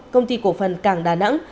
công ty cổ phần cảng đà nẵng